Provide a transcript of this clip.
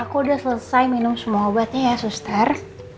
aku udah selesai minum semua obatnya ya suster